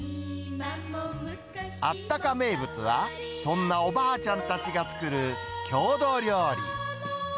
あったか名物は、そんなおばあちゃんたちが作る郷土料理。